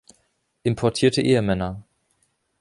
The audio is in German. Importierte Ehemänner.